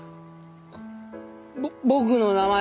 ぼ僕の名前は。